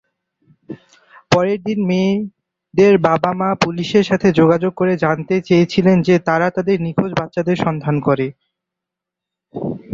পরের দিন, মেয়েদের বাবা-মা পুলিশের সাথে যোগাযোগ করে জানতে চেয়েছিলেন যে তারা তাদের নিখোঁজ বাচ্চাদের সন্ধান করে।